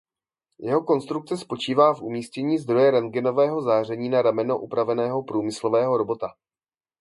Jeho konstrukce spočívá v umístění zdroje rentgenového záření na rameno upraveného průmyslového robota.